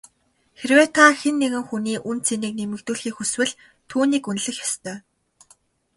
Хэрвээ та хэн нэгэн хүний үнэ цэнийг нэмэгдүүлэхийг хүсвэл түүнийг үнэлэх ёстой.